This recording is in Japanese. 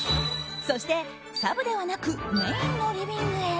そして、サブではなくメインのリビングへ。